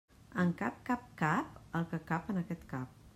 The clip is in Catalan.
En cap cap cap el que cap en aquest cap.